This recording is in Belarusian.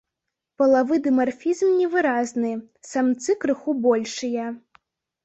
Палавы дымарфізм невыразны, самцы крыху большыя.